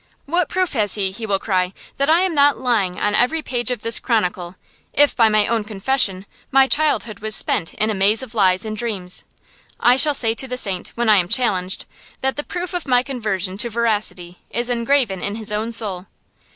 What proof has he, he will cry, that I am not lying on every page of this chronicle, if, by my own confession, my childhood was spent in a maze of lies and dreams? I shall say to the saint, when I am challenged, that the proof of my conversion to veracity is engraven in his own soul.